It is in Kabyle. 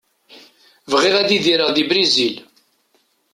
Bɣiɣ ad idireɣ di Brizil.